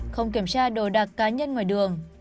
không kiểm tra đồ đặc cá nhân ngoài đường